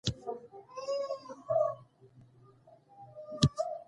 ټول مسلمانان وروڼه دي.